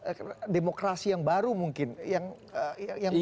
ada hal teknis dan paradigma demokrasi yang baru mungkin yang menghalangi